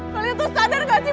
kalian tuh sadar gak sih